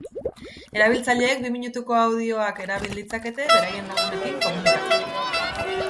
Erabiltzaileek bi minutuko audioak erabil ditzakete beraien lagunekin komunikatzeko.